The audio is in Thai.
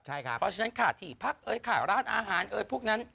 เพราะฉะนั้นขาดถี่พักขาดร้านอาหารพวกนั้น